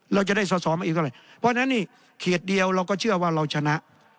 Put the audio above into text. เราจะได้สอสอมาอีกเท่าไหร่เพราะฉะนั้นนี่เขตเดียวเราก็เชื่อว่าเราชนะ